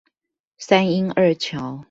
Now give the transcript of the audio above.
三鶯二橋